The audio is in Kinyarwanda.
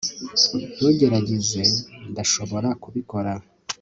Ntugerageze Ndashobora kubikora